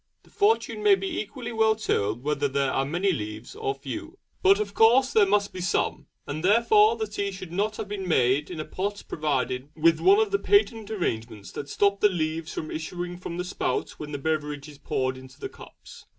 The fortune may be equally well told whether there are many leaves or few; but of course there must be some, and therefore the tea should not have been made in a pot provided with one of the patent arrangements that stop the leaves from issuing from the spout when the beverage is poured into the cups.